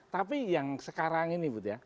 tapi yang sekarang ini but ya